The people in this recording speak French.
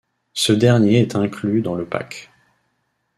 Ce dernier est inclus dans le pack.